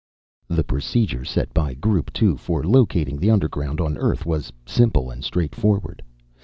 The procedure set by Group Two for locating the underground on Earth was simple and straightforward.